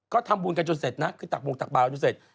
ก็ทำบุญกันจนเสร็จนะคือตักวงตักบาดกันจนเสร็จ